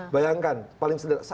bayangkan paling sederhana